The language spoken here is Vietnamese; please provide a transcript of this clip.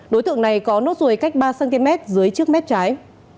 đối tượng này có nốt ruồi cách ba cm dưới trước mép trái